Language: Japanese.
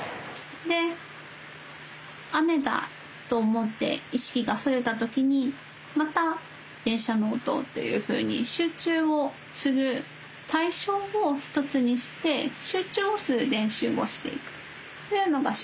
で「雨だ」と思って意識がそれた時にまた電車の音というふうに集中をする対象を１つにして集中をする練習をしていくというのが集中瞑想です。